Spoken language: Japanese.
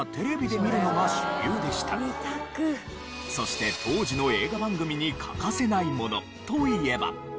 そして当時の映画番組に欠かせないものといえば。